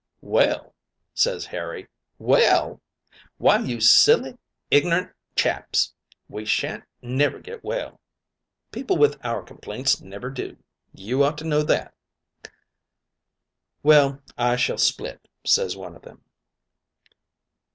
"'Well?' ses Harry, 'well? Why, you silly iggernerant chaps, we shan't never get well; people with our complaints never do. You ought to know that.' "'Well, I shall split,' ses one of them.